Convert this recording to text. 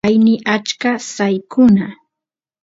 aini achka saykuna